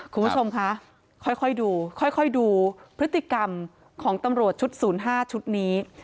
คุณผู้ชมคะค่อยดูค่อยดูพฤติกรรมของตำรวจชุด๐๕ชุดนี้